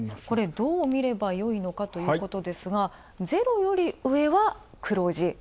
これ、どう見ればよいのかということですがゼロより上は黒字。